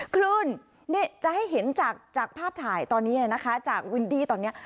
คลื่นจะให้เห็นจากภาพถ่ายตอนนี้เลยนะคะจากวินดี้ตอนนี้